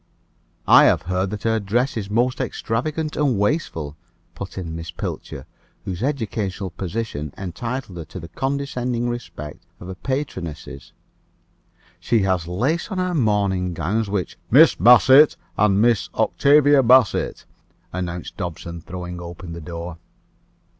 "I have heard that her dress is most extravagant and wasteful," put in Miss Pilcher, whose educational position entitled her to the condescending respect of her patronesses. "She has lace on her morning gowns, which" "Miss Bassett and Miss Octavia Bassett," announced Dobson, throwing open the door.